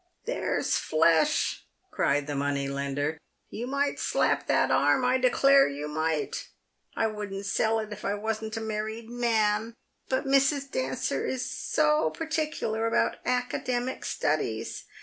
" There's flesh !" cried the money lender. " You might slap that arm, I declare you might ! I wouldn't sell it if I wasn't a married man, but Mrs. Dancer is so particular about academic studies.